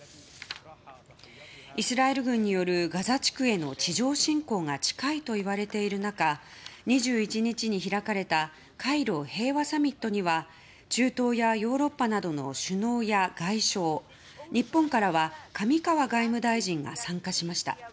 イスラエル軍によるガザ地区への地上侵攻が近いといわれている中２１日に開かれたカイロ平和サミットには中東やヨーロッパなどの首脳や外相日本からは上川外務大臣が参加しました。